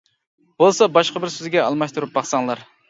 بولسا باشقا بىر سۆزگە ئالماشتۇرۇپ باقساڭلار.